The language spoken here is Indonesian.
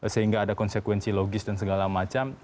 sehingga ada konsekuensi logis dan segala macam